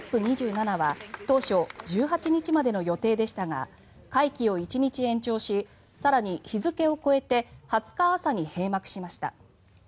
２７は当初、１８日までの予定でしたが会期を１日延長し更に日付を超えて２０日朝に閉幕しました。